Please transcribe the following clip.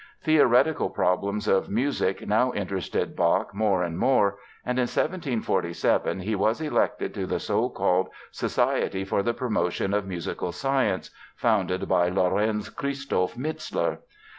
Theoretical problems of music now interested Bach more and more and in 1747 he was elected to the so called Society for the Promotion of Musical Science, founded by Lorenz Christoph Mizler.